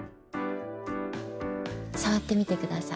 さわってみてください。